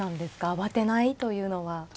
慌てないというのは。